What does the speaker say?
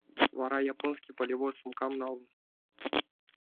Вара японский полевой сумкам налын.